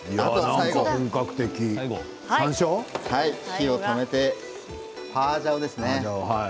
火を止めてホワジャオですね。